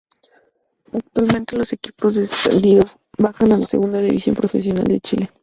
Actualmente los equipos descendidos bajan a la Segunda División Profesional de Chile.